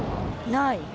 ない！